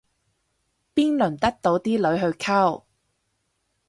邊輪得到啲女去溝